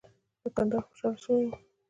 دوکاندار خوشاله شوی و.